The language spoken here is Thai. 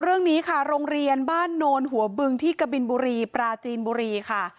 เรื่องนี้ค่ะโรงเรียนบ้านโนนหัวบึงที่กบินบุรีปราจีนบุรีค่ะ